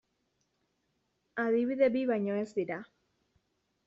Adibide bi baino ez dira.